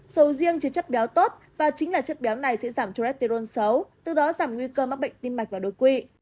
sầu riêng chế chất béo tốt và chính là chất béo này sẽ giảm cholesterol xấu từ đó giảm nguy cơ mắc bệnh tim mạch và đôi quỵ